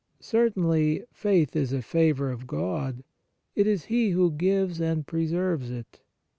Certainly faith is a favour of God ; it is He who gives and preserves it.